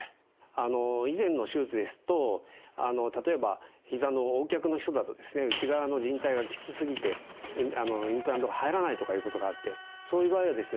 あの以前の手術ですと例えばひざのＯ脚の人だとですね内側のじん帯がきつすぎてインプラントが入らないとかいうことがあってそういう場合はですね